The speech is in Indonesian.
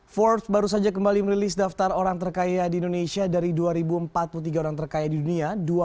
forbes baru saja kembali merilis daftar orang terkaya di indonesia dari dua empat puluh tiga orang terkaya di dunia